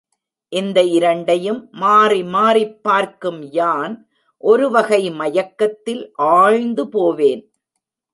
இந்த இரண்டையும் மாறி மாறிப் பார்க்கும் யான் ஒருவகை மயக்கத்தில் ஆழ்ந்து போவேன்.